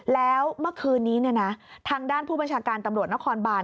แล้วเมื่อคืนนี้ทางด้านผู้บัญชาการตำรวจนครบาน